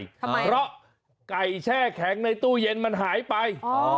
ทำไมเพราะไก่แช่แข็งในตู้เย็นมันหายไปอ๋อ